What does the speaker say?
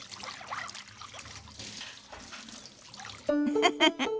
ウフフフ。